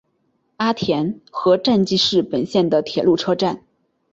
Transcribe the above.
阿田和站纪势本线的铁路车站。